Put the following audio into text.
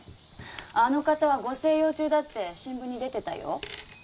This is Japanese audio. あの方はご静養中だって新聞に出てたよ？